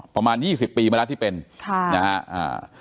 อ๋อประมาณยี่สิบปีเมื่อละที่เป็นค่ะนะฮะอ่า